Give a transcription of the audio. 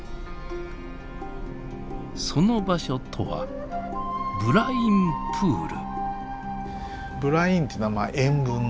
その場所とはブラインプール。